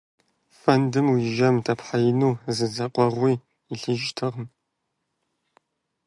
Фэндым уи жьэм дэпхьеину зы дзэкъэгъуи илъыжтэкъым.